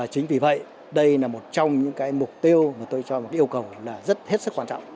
chính vì vậy đây là một trong những mục tiêu mà tôi cho một yêu cầu rất hết sức quan trọng